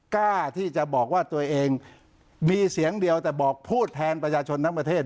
กล้าที่จะบอกว่าตัวเองมีเสียงเดียวแต่บอกพูดแทนประชาชนทั้งประเทศ